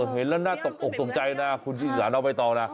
เห็นแล้วน่าตกอกตกใจนะคุณที่สายเอาไปต่อ